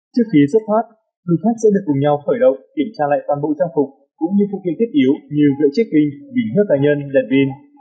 trước khi xuất phát du khách sẽ được cùng nhau khởi động kiểm tra lại toàn bộ trang phục cũng như phụ kiện thiết yếu như vệ check in hơiớt cá nhân đèn pin